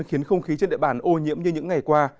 khiến không khí trên địa bàn ô nhiễm như những ngày qua